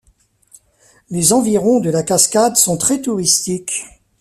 Les environs de la cascade sont très touristiques.